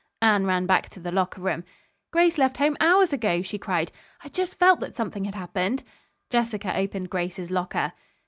Anne ran back to the locker room. "Grace left home hours ago," she cried. "I just felt that something had happened." Jessica opened Grace's locker.